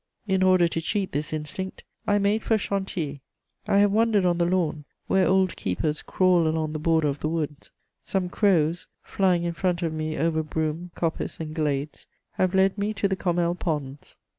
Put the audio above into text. In order to cheat this instinct, I made for Chantilly. I have wandered on the lawn, where old keepers crawl along the border of the woods. Some crows, flying in front of me over broom, coppice and glades, have led me to the Commelle Ponds.